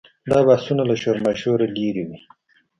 دا بحثونه له شورماشوره لرې وي.